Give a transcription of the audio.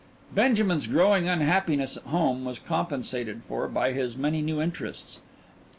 Benjamin's growing unhappiness at home was compensated for by his many new interests.